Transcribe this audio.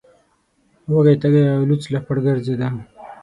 وږی تږی او لوڅ لپړ ګرځیده.